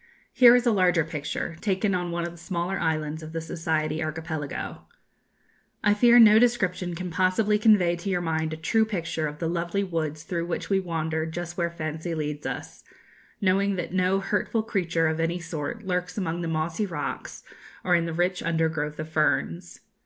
" Here is a larger picture, taken on one of the smaller islands of the Society archipelago: "I fear no description can possibly convey to your mind a true picture of the lovely woods through which we wander just where fancy leads us, knowing that no hurtful creature of any sort lurks among the mossy rocks or in the rich undergrowth of ferns.